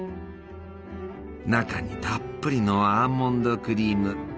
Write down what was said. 中にたっぷりのアーモンドクリーム。